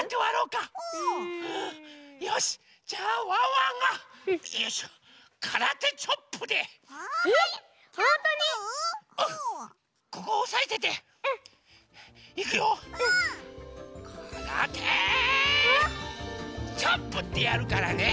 「からてチョップ！」ってやるからね。